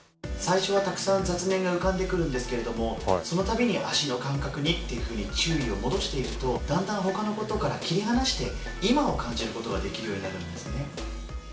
最初はたくさん雑念が浮かんでくるんですけれどもその度に足の感覚にっていうふうに注意を戻していくとだんだんほかのことから切り離して今を感じることができるようになるんですね。